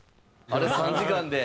あれ３時間で。